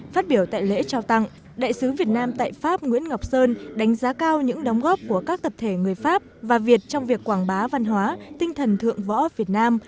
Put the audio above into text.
phát biểu tại lễ trao tặng đại sứ việt nam tại pháp nguyễn ngọc sơn đánh giá cao những đóng góp của các tập thể người pháp và việt trong việc quảng bá văn hóa tinh thần thượng võ việt nam